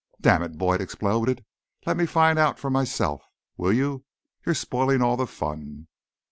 "Damn it," Boyd exploded, "let me find out for myself, will you? You're spoiling all the fun."